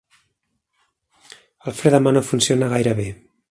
El fre de mà no funciona gaire bé.